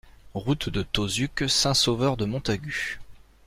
Route de Tauzuc, Saint-Sauveur-de-Montagut